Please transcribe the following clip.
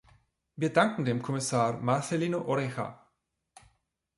Wir danken dem Kommissar Marcelino Oreja.